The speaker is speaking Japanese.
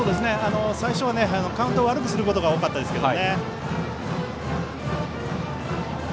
最初はカウントを悪くすることが多かったですけど。